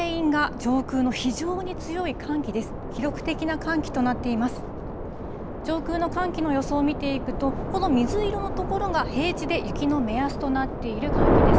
上空の寒気の予想を見ていくと、この水色の所が、平地で雪の目安となっている寒気です。